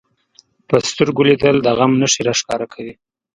په سترګو لیدل د غم نښې راښکاره کوي